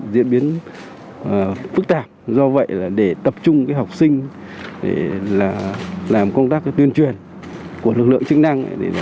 diễn biến phức tạp do vậy để tập trung học sinh là làm công tác tuyên truyền của lực lượng chức năng